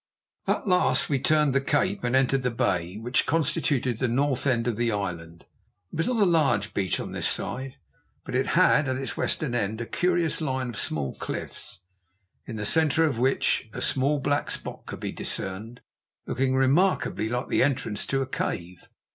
At last we turned the cape and entered the bay which constituted the north end of the island. It was not a large beach on this side, but it had, at its western end, a curious line of small cliffs, in the centre of which a small black spot could be discerned looking remarkably like the entrance to a cave.